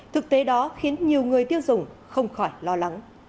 thực tế đó khiến nhiều người tiêu dùng không khỏi lo lắng